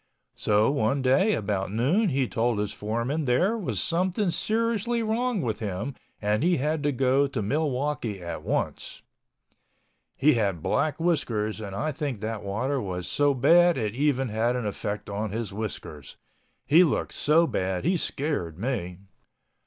So one day about noon he told his foreman there was something seriously wrong with him and he had to go to Milwaukee at once. He had black whiskers and I think that water was so bad it even had an effect on his whiskers. He looked so bad he scared me.